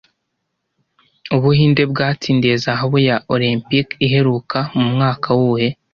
Ubuhinde bwatsindiye Zahabu ya Olempike iheruka mu mwaka uwuhe